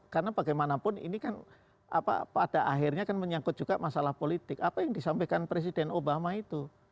karena bagaimanapun ini kan pada akhirnya kan menyangkut juga masalah politik apa yang disampaikan presiden obama itu